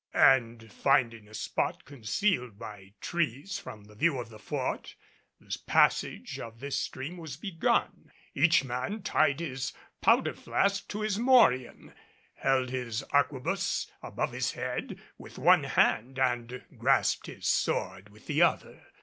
And, finding a spot concealed by trees from the view of the fort, the passage of this stream was begun. Each man tied his powder flask to his morion, held his arquebuse above his head with one hand and grasped his sword with the other.